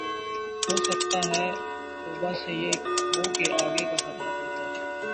ہوسکتا ہے توبہ سے یہ ہو کہ آگے کا خطرہ ٹل جاۓ